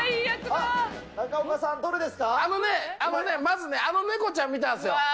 あのね、まずね、あの猫ちゃんを見たんですよ。